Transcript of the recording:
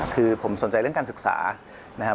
คือผมสนใจเรื่องการศึกษานะครับ